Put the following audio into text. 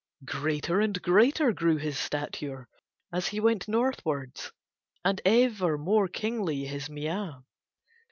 Greater and greater grew his stature as he went northwards and ever more kingly his mien.